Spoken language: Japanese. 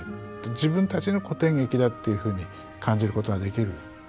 自分たちの古典劇だっていうふうに感じることができるんですね。